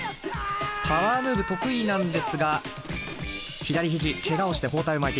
パワームーブ得意なんですが左肘ケガをして包帯を巻いています。